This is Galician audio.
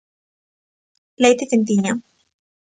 Leite quentiña.